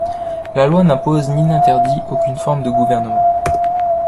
La loi n'impose ni n'interdit aucune forme de gouvernement.